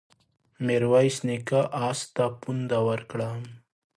ميرويس نيکه آس ته پونده ورکړه.